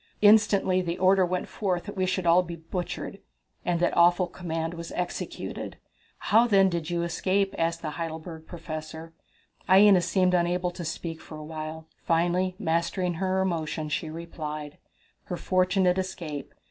Instantly the order went forth that we should all be butchered, and that awful command was executed!" "How, then, did you escape?" asked the Heidelberg Professor. Aina seemed unable to speak for a while. Finally mastering her emotion, she replied: Her Fortunate Escape.